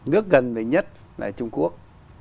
nước gần với nhất là trung quốc